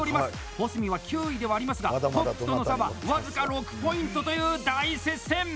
保住は９位ではありますがトップとの差は僅か６ポイントという大接戦！